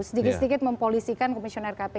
sedikit sedikit mempolisikan komisioner kpk